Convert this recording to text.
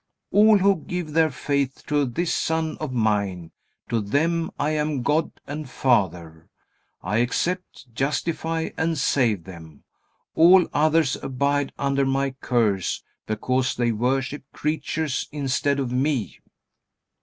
All who give their faith to this Son of Mine, to them I am God and Father. I accept, justify, and save them. All others abide under My curse because they worship creatures instead of Me.